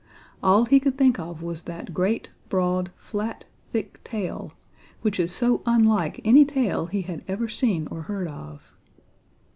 All he could think of was that great, broad, flat, thick tail, which is so unlike any tail he had ever seen or heard of.